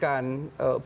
kemudian bisa memberikan